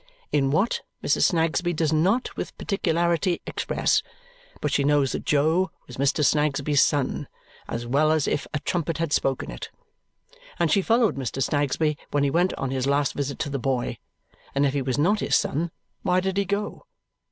In what, Mrs. Snagsby does not with particularity express, but she knows that Jo was Mr. Snagsby's son, "as well as if a trumpet had spoken it," and she followed Mr. Snagsby when he went on his last visit to the boy, and if he was not his son why did he go?